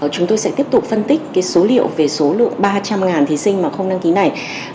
chúng tôi sẽ tiếp tục phân tích số liệu về số lượng ba trăm linh thí sinh mà không đăng ký này